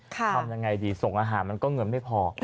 ทำยังไงดีส่งอาหารมันก็เงินไม่พอ